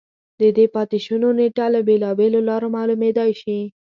د دې پاتې شونو نېټه له بېلابېلو لارو معلومېدای شي